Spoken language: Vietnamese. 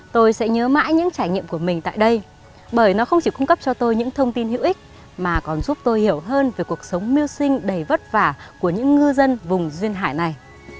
tôi sẽ nhớ mãi những trải nghiệm của mình tại đây bởi nó không chỉ cung cấp cho tôi những thông tin hữu ích mà còn giúp tôi hiểu hơn về cuộc sống mưu sinh đầy vất vả của những ngư dân vùng duyên hải này